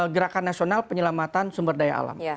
gerakan nasional penyelamatan sumber daya alam